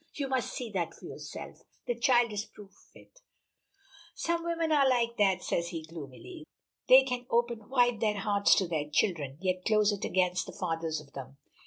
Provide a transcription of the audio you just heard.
you must see that for yourself. The child is proof of it." "Some women are like that," says he gloomily. "They can open wide their hearts to their children, yet close it against the fathers of them.